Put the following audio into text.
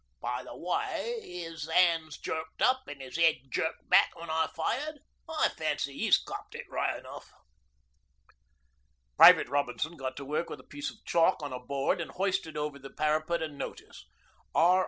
By the way 'is 'ands jerked up an' 'is 'ead jerked back when I fired, I fancy 'e copped it right enough.' Private Robinson got to work with a piece of chalk on a board and hoisted over the parapet a notice, 'R.